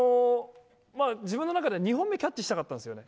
自分の中では２本目キャッチしたかったんですよね。